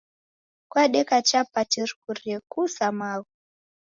Kwadeka chapati rikurie kuu sa magho